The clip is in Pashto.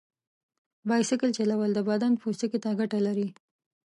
بایسکل چلول د بدن پوستکي ته ګټه لري.